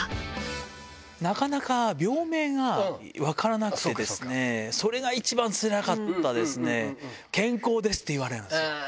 なかなか病名が分からなくてですね、それが一番つらかったですね、健康ですって言われるんですよ。